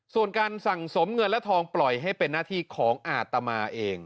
ส่วนการสั่งสมเงินและทองปล่อยให้เป็นหน้าที่ของอาตมาเอง